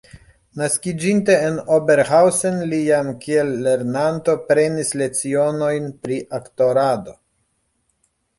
Naskiĝinte en Oberhausen, li jam kiel lernanto prenis lecionojn pri aktorado.